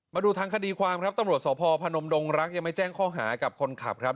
มาดูทางคดีความครับตำรวจสพพนมดงรักยังไม่แจ้งข้อหากับคนขับครับ